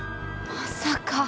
まさか。